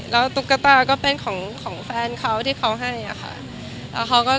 แล้วตุ๊กตาก็เป็นของแฟนเขาที่เขาให้ค่ะ